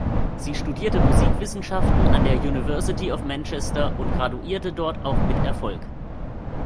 Sie studierte Musikwissenschaften an der University of Manchester und graduierte dort auch mit Erfolg.